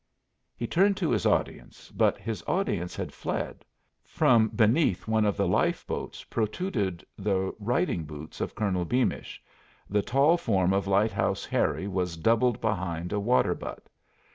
He turned to his audience, but his audience had fled. From beneath one of the life boats protruded the riding boots of Colonel Beamish, the tall form of Lighthouse Harry was doubled behind a water butt.